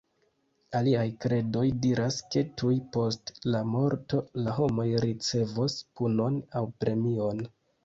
Aliaj kredoj diras ke tuj post la morto, la homoj ricevos punon aŭ premion.